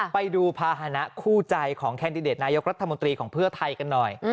ไปดูภาษณะคู่ใจของแคนดิเดตนายกรัฐมนตรีของเพื่อไทยกันหน่อย